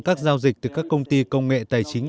các giao dịch từ các công ty công nghệ tài chính